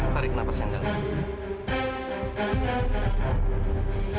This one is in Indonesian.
tarik nafasnya ndang